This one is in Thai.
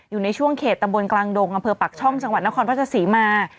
อยู่ในช่วงเขตตำบลกลางดงอำเภอปากช่องจังหวัดนครราชศรีมา